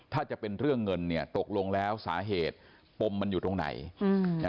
ถ้าจะเป็นเรื่องเงินเนี่ยตกลงแล้วสาเหตุปมมันอยู่ตรงไหน